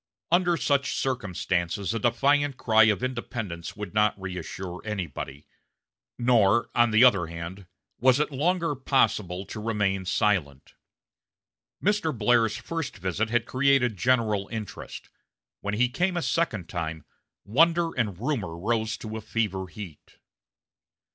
Under such circumstances a defiant cry of independence would not reassure anybody; nor, on the other hand, was it longer possible to remain silent. Mr. Blair's first visit had created general interest; when he came a second time, wonder and rumor rose to fever heat.